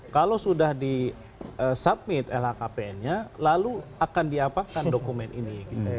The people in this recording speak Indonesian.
kalau sudah disubmit lhkpn nya lalu akan diapakan dokumen ini